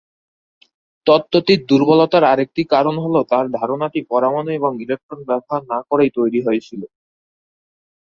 তত্ত্বটির দুর্বলতার আরেকটি কারণ হলো, তার ধারণাটি পরমাণু এবং ইলেকট্রন ব্যবহার না করেই তৈরি হয়েছিল।